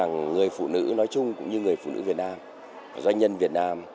những người phụ nữ nói chung cũng như người phụ nữ việt nam doanh nhân việt nam